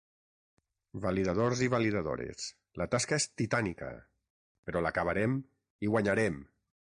Validadors i validadores, la tasca és titànica, però l'acabarem i guanyarem!